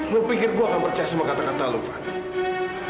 lo pikir gue akan percaya sama kata kata lo fadil